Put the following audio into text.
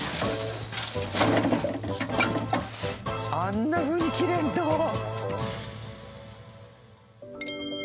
あんなふうに切れるの？